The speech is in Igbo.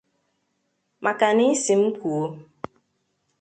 maka na ị sị m kwuo